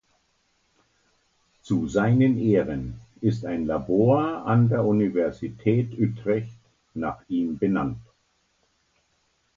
Zu seinen Ehren ist ein Labor an der Universität Utrecht nach ihm benannt.